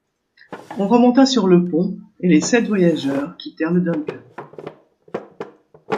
On remonta sur le pont, et les sept voyageurs quittèrent le Duncan.